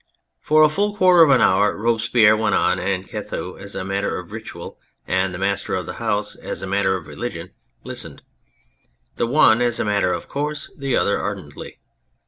For a full quarter of an hour Robespierre went on, and Couthon, as a matter of ritual, and the master of the house as a matter of religion, listened : the one as a matter of course, the other ardently.